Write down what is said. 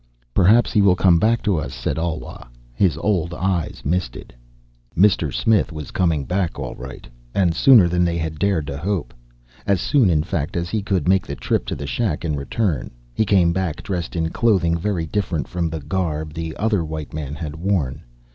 "Perhaps he will come back to us," said Alwa. His old eyes misted. Mr. Smith was coming back all right, and sooner than they had dared to hope. As soon in fact, as he could make the trip to the shack and return. He came back dressed in clothing very different from the garb the other white man had worn.